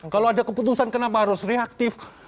kalau ada keputusan kenapa harus reaktif